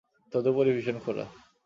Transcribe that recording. তদুপরি ভীষণ খোঁড়া।